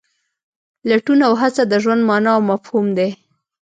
لټون او هڅه د ژوند مانا او مفهوم دی.